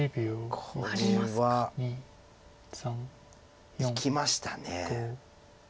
これはいきましたね。